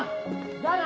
じゃあな！